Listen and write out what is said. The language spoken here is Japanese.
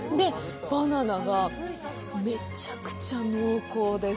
バナナが、めちゃくちゃ濃厚です。